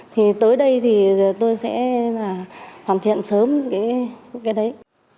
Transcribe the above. thì tới đây thì tôi sẽ hoàn thiện sớm cái đấy